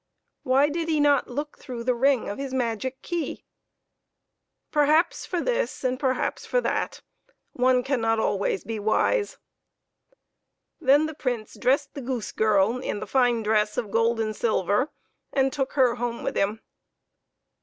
Why did he not look through the ring of his magic key? Perhaps for this, perhaps for that one cannot be always wise. Then the Prince dressed the goose girl in the fine dress of gold and silver, and took her home with him.